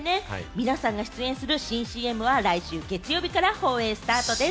皆さんが出演する新ＣＭは来週月曜日から放映スタートです。